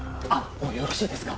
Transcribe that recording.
もうよろしいですか？